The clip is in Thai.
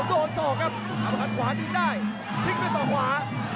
โดดส่อกครับขวานิดได้ทิ้งด้วยศอกขวา